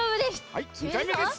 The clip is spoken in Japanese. はい２かいめです。